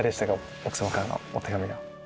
奥様からのお手紙。